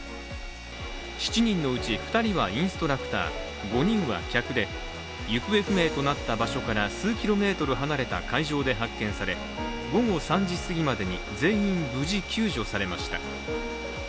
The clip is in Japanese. ７人のうち２人はインストラクター、５人は客で行方不明となった場所から数キロメートル離れた海上で発見され、午後３時すぎまでに全員無事救助されました。